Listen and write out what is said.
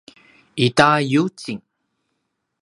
ita yucing